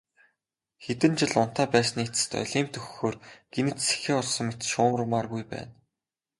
Хэдэн жил унтаа байсны эцэст олимп дөхөхөөр гэнэт сэхээ орсон мэт шуурмааргүй байна.